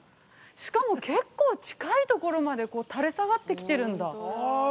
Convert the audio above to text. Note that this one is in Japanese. しかも、結構近いところまで垂れ下がってきてるんだ。